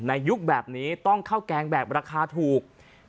ยุคแบบนี้ต้องข้าวแกงแบบราคาถูก